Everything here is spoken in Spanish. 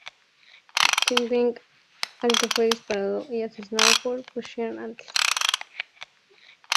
Kingpin, al que fue disparado y asesinado por Punisher antes.